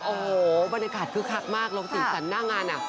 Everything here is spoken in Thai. โอ้โหบรรยากาศคือคักมากโรคติศัลย์หน้างานน่ะ